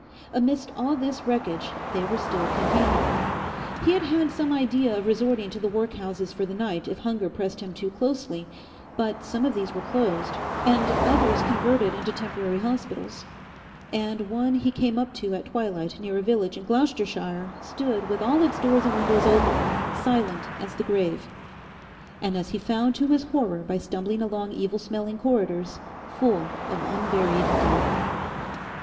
Amidst all this wreckage they were still campaigning. He had had some idea of resorting to the workhouses for the night if hunger pressed him too closely, but some of these were closed and others converted into temporary hospitals, and one he came up to at twilight near a village in Gloucestershire stood with all its doors and windows open, silent as the grave, and, as he found to his horror by stumbling along evil smelling corridors, full of unburied dead.